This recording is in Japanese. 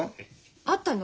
会ったの？